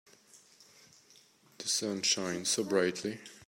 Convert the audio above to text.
The sun shines so brightly.